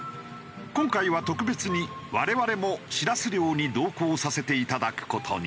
今回は特別に我々もしらす漁に同行させていただく事に。